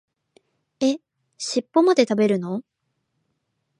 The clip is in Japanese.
え、しっぽまで食べるの？